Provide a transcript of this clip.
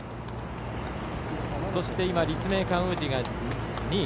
そして立命館宇治が２位。